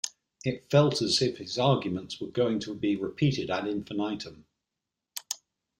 It felt as if his arguments were going to be repeated ad infinitum